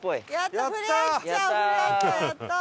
やった！